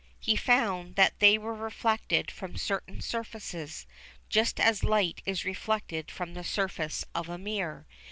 He found that they were reflected from certain surfaces, just as light is reflected from the surface of a mirror.